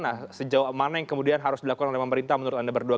nah sejauh mana yang kemudian harus dilakukan oleh pemerintah menurut anda berdua